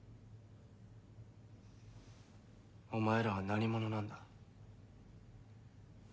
お前らは何者なんだ？